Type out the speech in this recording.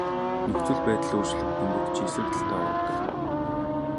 Нөхцөл байдал өөрчлөгдөнгүүт чи эсрэг талдаа урвадаг.